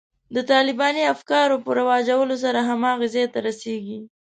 د طالباني افکارو په رواجولو سره هماغه ځای ته رسېږي.